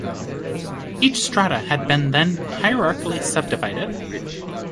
Each strata had been then hierarchically subdivided.